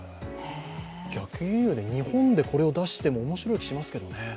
逆輸入で日本でこれを出しても面白い気しますけどね。